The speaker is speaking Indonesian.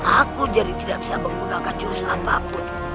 aku jadi tidak bisa menggunakan jurus apapun